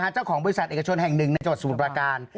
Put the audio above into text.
เจ้าของบริษัทเอกชนแห่งหนึ่งในจังหวัดสมุทรประการ